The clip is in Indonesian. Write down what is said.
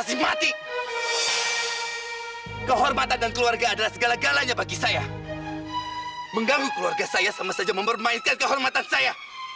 sampai jumpa di video selanjutnya